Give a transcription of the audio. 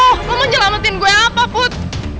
lo mau nyelametin gue apa put